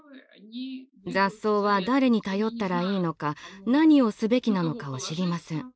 雑草は誰に頼ったらいいのか何をすべきなのかを知りません。